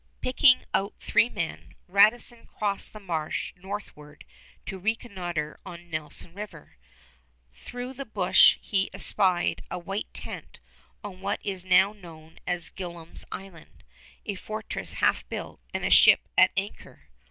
Picking out three men, Radisson crossed the marsh northward to reconnoiter on Nelson River. Through the brush he espied a white tent on what is now known as Gillam's Island, a fortress half built, and a ship at anchor.